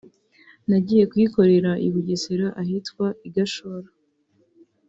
nagiye kuyikorera i Bugesera ahitwa i Gashora